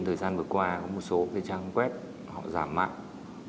thời gian vừa qua có một số trang web giả mạng